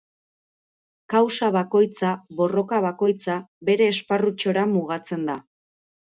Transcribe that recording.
Kausa bakoitza, borroka bakoitza, bere esparrutxora mugatzen da.